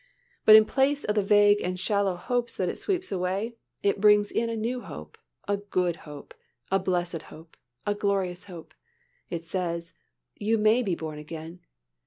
But in place of the vague and shallow hopes that it sweeps away, it brings in a new hope, a good hope, a blessed hope, a glorious hope. It says, "You may be born again."